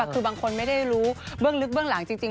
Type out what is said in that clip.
คือบางคนไม่ได้รู้เบื้องลึกเบื้องหลังจริง